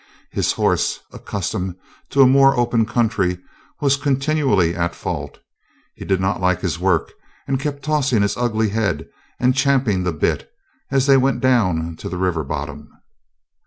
His horse, accustomed to a more open country, was continually at fault. He did not like his work, and kept tossing his ugly head and champing the bit as they went down to the river bottom.